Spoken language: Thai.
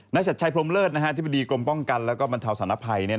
ชัดชัยพรมเลิศธิบดีกรมป้องกันและบรรเทาสารภัย